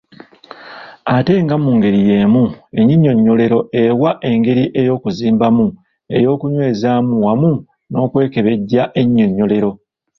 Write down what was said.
Ate nga mu ngeri y’emu ennyinyonnyolero ewa engeri y’okuzimbamu, ey’okunywezaamu wamu n’okwekebejja ennyinyonnyolero.